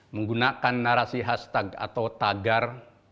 menggunakan narasi hashtag atau tagar